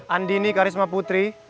andini karisma putri